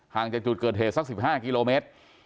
จากจุดเกิดเหตุสัก๑๕กิโลเมตร